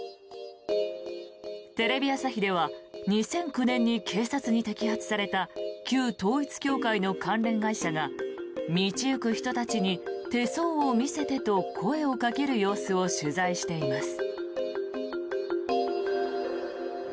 テレビ朝日では２００９年に警察に摘発された旧統一教会の関連会社が道行く人たちに手相を見せてと声をかける様子を取材しています。